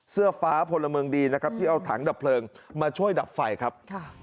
เสื้อฟ้าพลเมืองดีนะครับที่เอาถังดับเพลิงมาช่วยดับไฟครับ